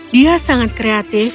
dia sangat kreatif